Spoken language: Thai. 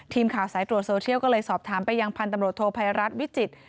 ทีมข่าวสายตรวจโซเชียลก็เลยสอบถามไปยังพันธุ์ตำรวจโทภัยรัฐวิจิตร